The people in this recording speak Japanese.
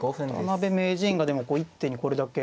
渡辺名人がでも一手にこれだけ。